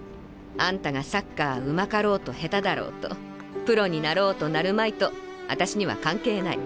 あんたがサッカーうまかろうとへただろうとプロになろうとなるまいとあたしには関係ない。